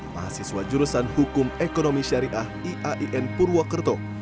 mahasiswa jurusan hukum ekonomi syariah iain purwokerto